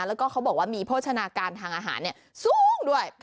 แล้วก็เขาบอกว่ามีโภชนาการทางอาหารสูงด้วย